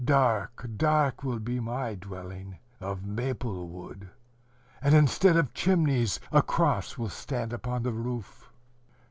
Dark, dark will be my dwelling, of maple wood; and, instead of chimneys, a cross will stand upon the roof."